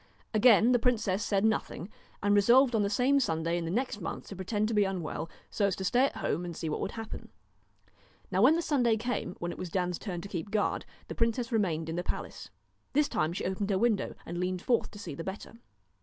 Again the princess said nothing, and resolved on the same Sunday in the next month to pretend to be unwell, so as to stay at home and see what would happen. Now when the Sunday came, when it was Dan's turn to keep guard, the princess remained in the palace. This time she opened her window and leaned forth to see the better.